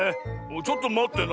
ちょっとまってな。